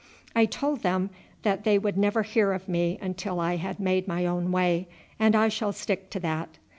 "I told them that they would never hear of me until I had made my own way, and I shall stick to that.